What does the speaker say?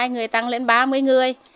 hai mươi hai người tăng lên ba mươi người